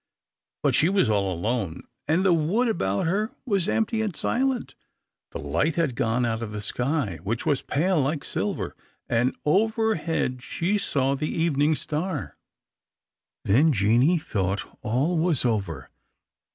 But she was all alone, and the wood about her was empty and silent. The light had gone out of the sky, which was pale like silver, and overhead she saw the evening star. Then Jeanie thought all was over.